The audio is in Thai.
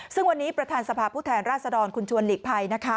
ซึ่งวันนี้ประธานสภาพผู้แทนราชดรคุณชวนหลีกภัยนะคะ